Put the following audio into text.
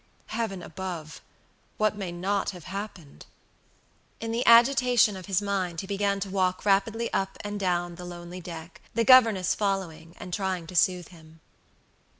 Heaven above! what may not have happened?" In the agitation of his mind he began to walk rapidly up and down the lonely deck, the governess following, and trying to soothe him.